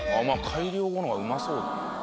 改良後の方がうまそうだな。